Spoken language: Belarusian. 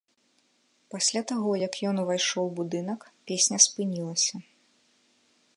Пасля таго, як ён увайшоў у будынак, песня спынілася.